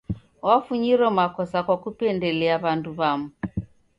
Wafunyiro makosa kwa kupendelia w'andu w'amu.